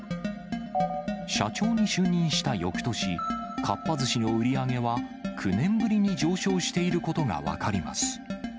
社長に就任したよくとし、かっぱ寿司の売り上げは、９年ぶりに上昇していることが分かります。